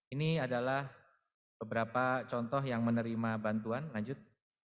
ini adalah beberapa contoh yang menerima bantuan lanjut